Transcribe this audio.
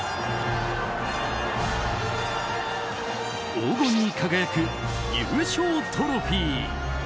黄金に輝く優勝トロフィー。